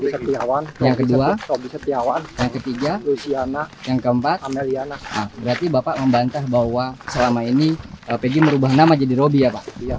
peggy yang kedua yang ketiga yang keempat berarti bapak membantah bahwa selama ini peggy merubah nama jadi robby ya pak